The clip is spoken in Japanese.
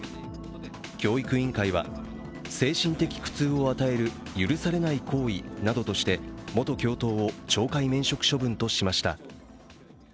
教育委員会は精神的苦痛を当てる許されない行為などとして元教頭を懲戒免職処分としました。